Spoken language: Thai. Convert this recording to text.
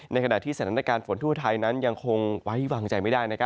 ในขณะที่สถานการณ์ฝนทั่วไทยนั้นยังคงไว้วางใจไม่ได้